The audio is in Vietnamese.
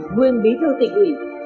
nguyên bí thư tỉnh ủy